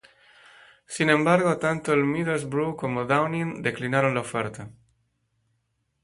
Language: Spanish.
Sin embargo, tanto el Middlesbrough como Downing declinaron la oferta.